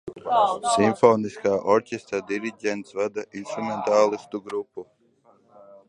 Simfoniskā orķestra diriģents vada instrumentālistu grupu.